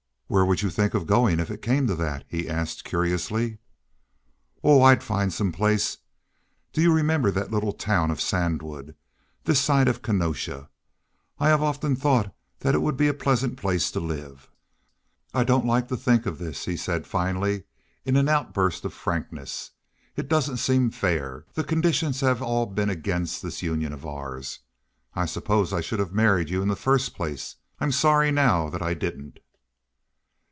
"Where would you think of going if it came to that?" he asked curiously. "Oh, I'd find some place. Do you remember that little town of Sandwood, this side of Kenosha? I have often thought it would be a pleasant place to live." "I don't like to think of this," he said finally in an outburst of frankness. "It doesn't seem fair. The conditions have all been against this union of ours. I suppose I should have married you in the first place. I'm sorry now that I didn't."